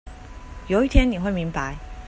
有一天你會明白